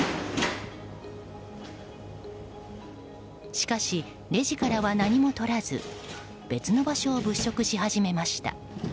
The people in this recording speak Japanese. しかし、レジからは何も取らず別の場所を物色し始めました。